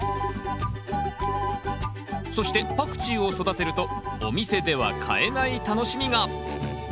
そしてパクチーを育てるとお店では買えない楽しみが！